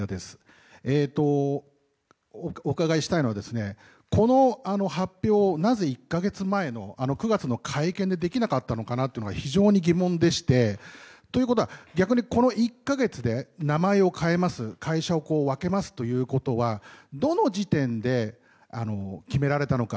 お伺いしたいのはこの発表をなぜ１か月前の９月の会見でできなかったというのが非常に疑問でして逆にこの１か月で名前を変えます会社を分けますということはどの時点で決められたのか。